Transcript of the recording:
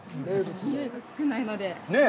臭いが少ないので。